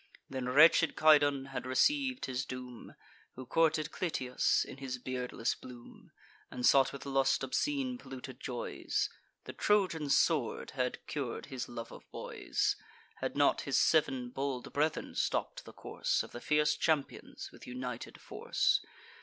Then wretched Cydon had receiv'd his doom, Who courted Clytius in his beardless bloom, And sought with lust obscene polluted joys: The Trojan sword had curd his love of boys, Had not his sev'n bold brethren stopp'd the course Of the fierce champions, with united force.